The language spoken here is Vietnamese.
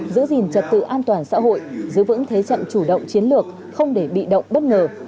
giữ gìn trật tự an toàn xã hội giữ vững thế trận chủ động chiến lược không để bị động bất ngờ